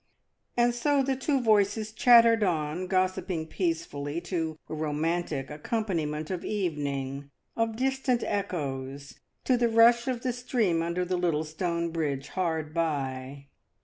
And so the two voices chattered on, gossiping peace fully to a romantic accompaniment of evening, of distant echoes, to the rush of the stream under the little stone bridge hard by.